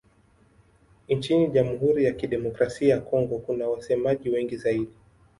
Nchini Jamhuri ya Kidemokrasia ya Kongo kuna wasemaji wengi zaidi.